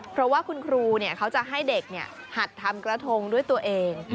เพราะว่าคุณครูเขาจะให้เด็กหัดทำกระทงด้วยตัวเอง